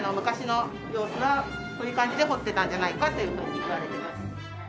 こういう感じで掘ってたんじゃないかというふうにいわれています。